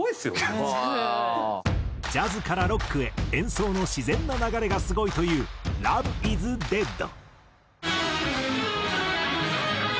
ジャズからロックへ演奏の自然な流れがすごいという『ＬＯＶＥＩＳＤＥＡＤ』。